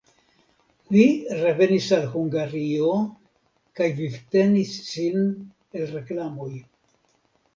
Li revenis al Hungario kaj vivtenis sin el reklamoj.